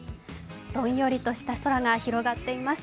どんよりとした空が広がっています。